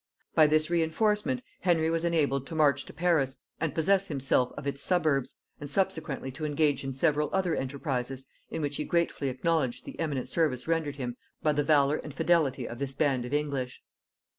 By this reinforcement Henry was enabled to march to Paris and possess himself of its suburbs, and subsequently to engage in several other enterprises, in which he gratefully acknowledged the eminent service rendered him by the valor and fidelity of this band of English.